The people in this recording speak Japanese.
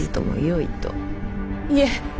いえ！